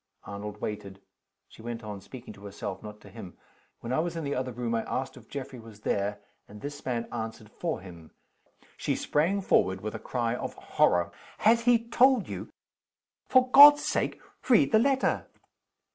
Arnold waited. She went on, speaking to herself, not to him. "When I was in the other room I asked if Geoffrey was there. And this man answered for him." She sprang forward with a cry of horror. "Has he told you " "For God's sake, read his letter!"